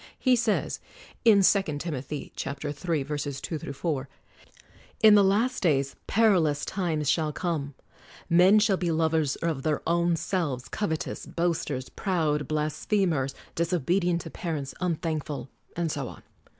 He says (II. Tim. iii: 2 4) : "In the Last Days peril ous times shall come ; men shall be lovers of their own selves, covetous, boasters, proud, blasphe mers, disobedient to parents, unthankful, '' and so on.